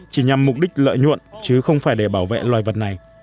chỉ nhằm mục đích lợi nhuận chứ không phải để bảo vệ loài vật này